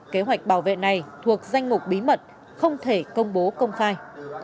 kế hoạch bảo vệ này thuộc danh mục bí mật không thể công bố công khai